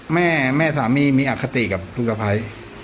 แม่แม่สามีมีอคติกับลูกสะพ้าย